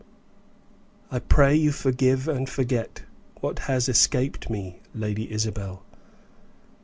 "I pray you forgive and forget what has escaped me, Lady Isabel.